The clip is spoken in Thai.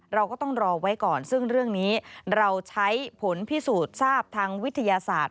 เราก็ต้องรอไว้ก่อนซึ่งเรื่องนี้เราใช้ผลพิสูจน์ทราบทางวิทยาศาสตร์